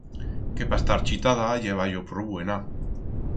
Que pa estar chitada ya eba yo prou buena!